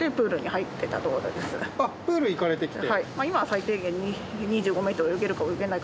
続いてあっプール行かれてきて。